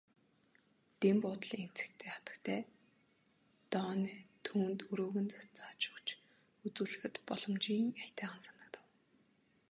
Дэн буудлын эзэгтэй хатагтай Дооне түүнд өрөөг нь зааж өгч үзүүлэхэд боломжийн аятайхан санагдав.